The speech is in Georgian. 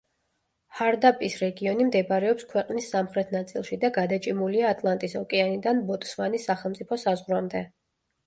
ჰარდაპის რეგიონი მდებარეობს ქვეყნის სამხრეთ ნაწილში და გადაჭიმულია ატლანტის ოკეანიდან ბოტსვანის სახელმწიფო საზღვრამდე.